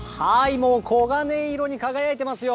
もう黄金色に輝いていますよ。